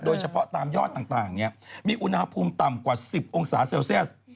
โดยเฉพาะตามยอดต่างมีอุณหภูมิต่ำกว่า๑๐องศาเซลเซียส